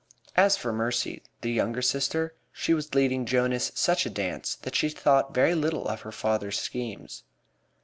As for Mercy, the younger sister, she was leading Jonas such a dance that she thought very little of her father's schemes.